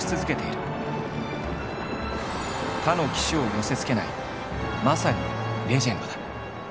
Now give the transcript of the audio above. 他の騎手を寄せつけないまさにレジェンドだ。